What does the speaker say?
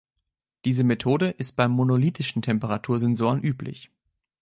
Diese Methode ist bei monolithischen Temperatursensoren üblich.